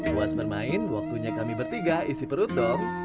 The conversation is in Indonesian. puas bermain waktunya kami bertiga isi perut dong